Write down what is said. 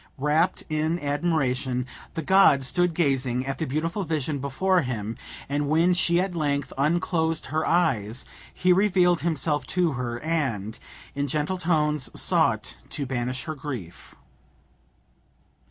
Wrapt in admiration, the god stood gazing at the beautiful vision before him, and when she at length unclosed her eyes, he revealed himself to her, and, in gentle tones, sought to banish her grief.